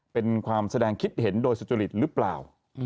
เป็นความแสดงคิดเห็นโดยสุจริตหรือเปล่า